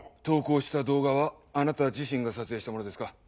投稿した動画はあなた自身が撮影したものですか？